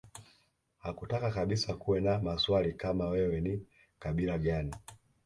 Hakutaka kabisa kuwe na maswali kama wewe ni kabila gani